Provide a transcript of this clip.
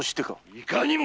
いかにも！